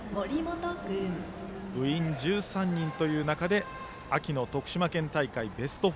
部員１３人という中で秋の徳島県大会でベスト４。